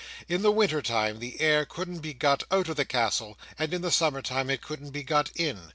In the winter time the air couldn't be got out of the Castle, and in the summer time it couldn't be got in.